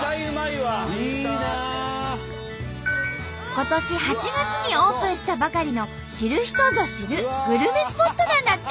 今年８月にオープンしたばかりの知る人ぞ知るグルメスポットなんだって！